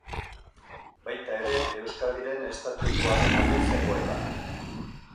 Baita ere Euskadiren Estatutuaren alde zegoela.